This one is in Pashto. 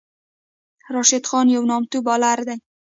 راشد خان یو نامتو بالر دئ.